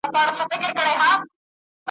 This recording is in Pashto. په یوه تعویذ مي سم درته پر لار کړ ,